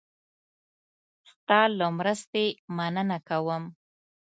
ستا له مرستې مننه کوم.